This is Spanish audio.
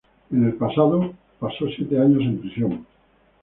En el pasado, pasó siete años en prisión.